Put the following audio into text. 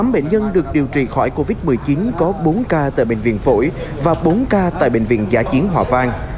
tám bệnh nhân được điều trị khỏi covid một mươi chín có bốn ca tại bệnh viện phổi và bốn ca tại bệnh viện giã chiến hòa vang